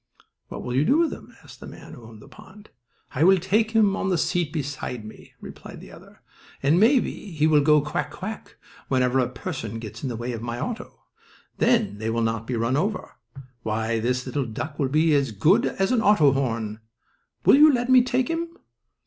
"What will you do with him?" asked the man who owned the pond. "I will take him on the seat beside me," replied the other, "and maybe he will go 'quack quack' whenever a person gets in the way of my auto. Then they will not be run over. Why, this little duck will be as good as an auto horn! Will you let me take him?"